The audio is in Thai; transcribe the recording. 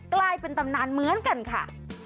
กลายเป็นตำนานเหมือนกันค่ะ